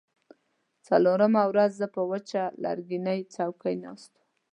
څلورمه ورځ زه پر وچه لرګینۍ څوکۍ ناسته وم.